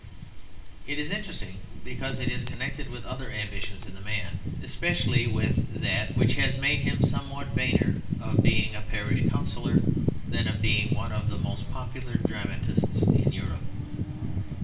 It is interesting because it is connected with other ambitions in the man, especially with that which has made him somewhat vainer of being a Parish Councillor than of being one of the most popular dramatists in Europe.